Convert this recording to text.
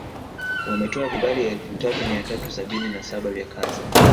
Wametoa vibali elfu tatu mia tatu sabini na saba vya kazi